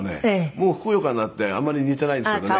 もうふくよかになってあんまり似ていないですけどね。